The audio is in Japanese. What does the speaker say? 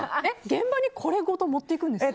現場にこれごと持っていくんですか？